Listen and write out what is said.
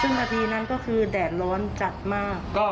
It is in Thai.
ซึ่งนาทีนั้นก็คือแดดร้อนจัดมาก